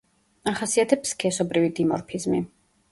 ახასიათებს სქესობრივი დიმორფიზმი.